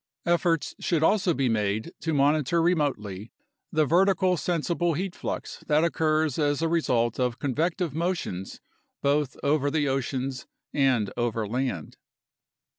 Efforts should also be made to monitor remotely the vertical sensible 74 UNDERSTANDING CLIMATIC CHANGE heat flux that occurs as a result of convective motions both over the oceans and over land.